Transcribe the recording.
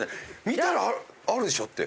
見たらあるでしょだって。